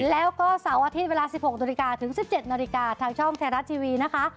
แล้วก็เสาร์วันอาทิตย์เวลา๑๖นถึง๑๗นทางช่องไทยรัสทีวีนะคะ